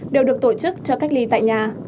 đều được tổ chức cho cách ly tại nhà